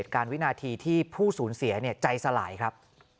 ที่ผู้ศูนย์เสียใจสลายครับ